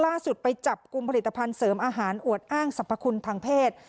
ล่าสุดไปจับกลุ่มผลิตภัณฑ์เสริมอาหารอวดอ้างสรรพคุณทางเพศ